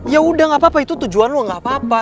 ya udah gak apa apa itu tujuan lo gak apa apa